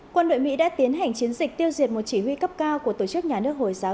quân đội mỹ đã tiến hành chiến dịch tiêu diệt một chỉ huy cấp cao của tổ chức nhà nước hồi giáo